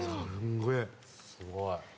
すごい。